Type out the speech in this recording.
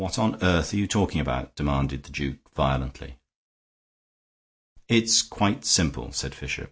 "What on earth are you talking about?" demanded the duke, violently. "It's quite simple," said Fisher.